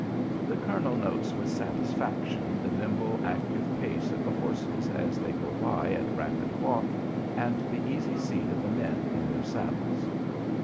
The colonel notes with satisfaction the nimble, active pace of the horses as they go by at rapid walk, and the easy seat of the men in their saddles.